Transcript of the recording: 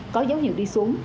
có giấu nhiều đi xuống